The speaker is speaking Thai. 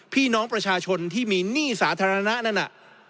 พี่น้องประชาชนที่มีหนี้สาธารณะนั่นน่ะ